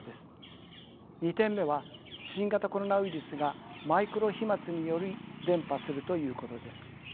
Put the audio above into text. ２点目は新型コロナウイルスがマイクロ飛まつにより伝播するということです。